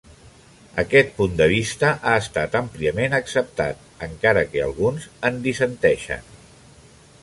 Aquest punt de vista ha estat àmpliament acceptat, encara que alguns en dissenteixen.